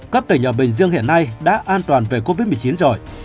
các tỉnh ở bình dương hiện nay đã an toàn về covid một mươi chín rồi